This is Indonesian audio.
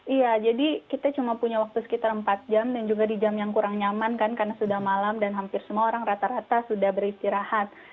iya jadi kita cuma punya waktu sekitar empat jam dan juga di jam yang kurang nyaman kan karena sudah malam dan hampir semua orang rata rata sudah beristirahat